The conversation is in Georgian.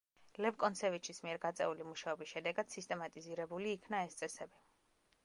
ლევ კონცევიჩის მიერ გაწეული მუშაობის შედეგად სისტემატიზირებული იქნა ეს წესები.